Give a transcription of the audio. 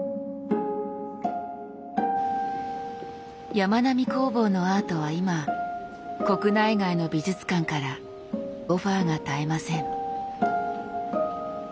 やまなみ工房のアートは今国内外の美術館からオファーが絶えません。